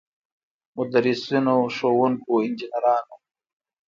مدرسینو، ښوونکو، انجنیرانو.